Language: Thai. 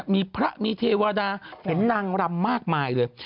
มีพระมีเทวดาเห็นนางรำมากมายเลย